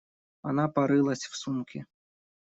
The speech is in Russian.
Она порылась в сумке.